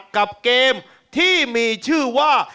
กับเกมที่มีชื่อว่า